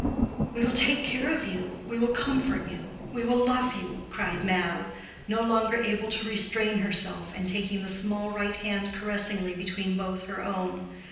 "We will take care of you—we will comfort you—we will love you," cried Mab, no longer able to restrain herself, and taking the small right hand caressingly between both her own.